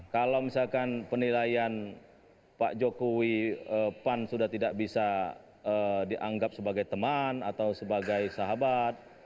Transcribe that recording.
kalau misalkan penilaian pak jokowi pan sudah tidak bisa dianggap sebagai teman atau sebagai sahabat